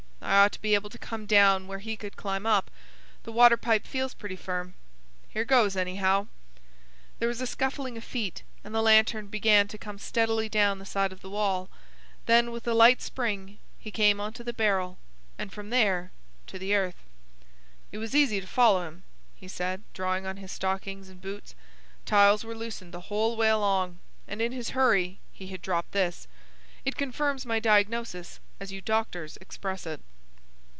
I ought to be able to come down where he could climb up. The water pipe feels pretty firm. Here goes, anyhow." There was a scuffling of feet, and the lantern began to come steadily down the side of the wall. Then with a light spring he came on to the barrel, and from there to the earth. "It was easy to follow him," he said, drawing on his stockings and boots. "Tiles were loosened the whole way along, and in his hurry he had dropped this. It confirms my diagnosis, as you doctors express it."